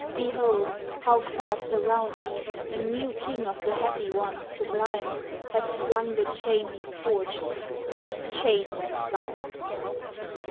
Behold, how fast around me The new King of the happy ones sublime Has flung the chain he forged, has shamed and bound me!